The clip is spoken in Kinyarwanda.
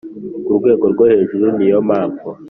ku rwego rwo hejuru niyo mpamvu